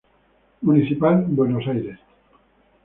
Municipal Buenos Aires.